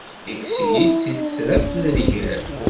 Ikkes-iyi-d si tesraft n nnger.